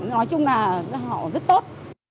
nói chung là họ rất tốt